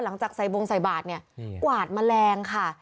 หลังจากใส่บงใส่บาทเนี่ยกวาดแมลงค่ะ